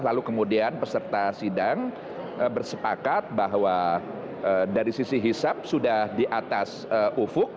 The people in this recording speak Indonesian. lalu kemudian peserta sidang bersepakat bahwa dari sisi hisap sudah di atas ufuk